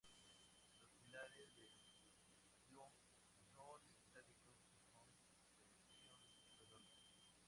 Los pilares del Pompidou son metálicos con sección redonda.